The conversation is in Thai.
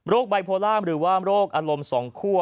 ไบโพล่ามหรือว่าโรคอารมณ์สองคั่ว